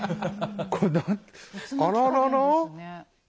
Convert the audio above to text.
これあららら？